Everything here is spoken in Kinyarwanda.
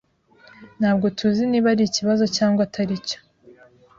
Ntabwo tuzi niba ari ikibazo cyangwa atari cyo.